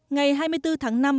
ngày hai mươi bốn tháng năm